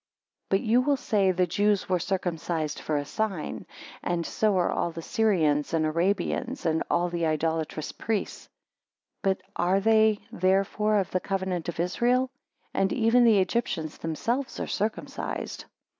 9 But you will say the Jews were circumcised for a sign. And so are all the Syrians and Arabians, and all the idolatrous priests: but are they therefore of the covenant of Israel? And even the Egyptians themselves are circumcised.